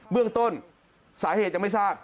เบื้องต้นสาเหตุจะไม่ทราบ